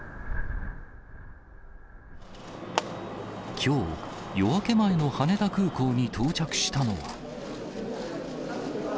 きょう、夜明け前の羽田空港に到着したのは。